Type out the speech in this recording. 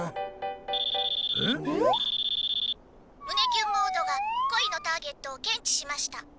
「胸キュンモード」が恋のターゲットを検知しました」。